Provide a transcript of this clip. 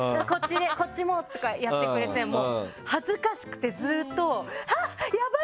こっちも」とかやってくれて恥ずかしくてずっと。